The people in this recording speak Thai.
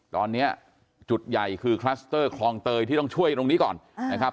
ตอนนี้จุดใหญ่คือคลัสเตอร์คลองเตยที่ต้องช่วยตรงนี้ก่อนนะครับ